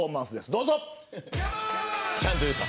どうぞ。